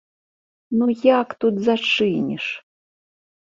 Ну, як тут зачыніш?